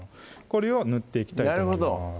これを塗っていきたいと思います